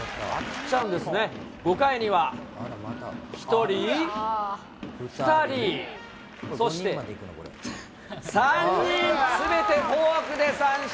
５回には、１人、２人、そして３人すべてフォークで三振。